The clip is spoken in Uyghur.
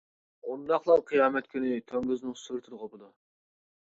ئۇنداقلار قىيامەت كۈنى توڭگۇزنىڭ سۈرىتىدە قوپىدۇ.